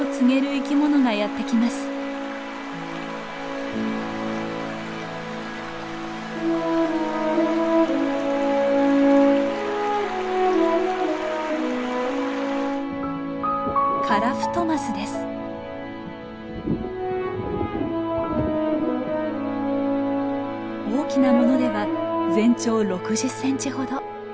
大きなものでは全長６０センチほど。